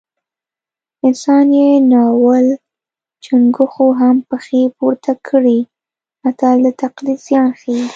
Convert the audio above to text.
اسان یې نالول چونګښو هم پښې پورته کړې متل د تقلید زیان ښيي